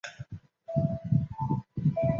蒂米什县是罗马尼亚西部的一个县。